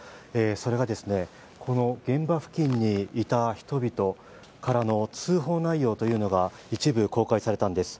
それが、現場付近にいた人々からの通報内容というのが一部公開されたんです。